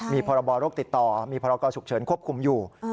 มีพรบโรคติดต่อมีพรกรฉุกเฉินควบคุมอยู่